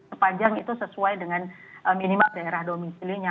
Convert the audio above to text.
sepanjang itu sesuai dengan minimal daerah domisilinya